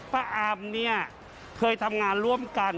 อามเนี่ยเคยทำงานร่วมกัน